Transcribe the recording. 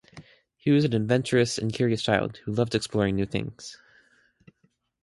He was an adventurous and curious child who loved exploring new things.